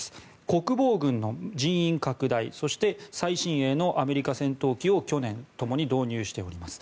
国防軍の人員拡大そして、最新鋭のアメリカ戦闘機を去年、ともに導入しております。